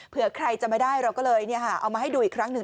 เผื่อใครจะไม่ได้เราก็เลยเอามาให้ดูอีกครั้งหนึ่ง